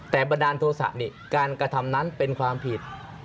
แต่บันดาลโทษะการกระทำนั้นเป็นความผิด